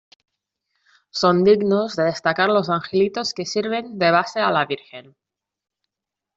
Son dignos de destacar los angelitos que sirven de base a la Virgen.